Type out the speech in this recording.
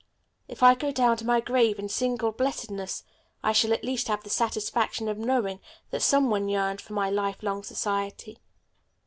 If I go down to my grave in single blessedness I shall at least have the satisfaction of knowing that some one yearned for my life long society."